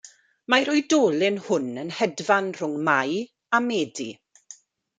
Mae'r oedolyn hwn yn hedfan rhwng Mai a Medi.